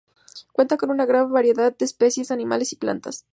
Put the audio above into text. Cuenta con una gran variedad de especies animales y plantas.